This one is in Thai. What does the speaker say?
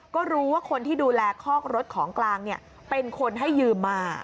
ก็รู้ว่าคนที่ดูแลคอกรถของกลางเป็นคนให้ยืมมา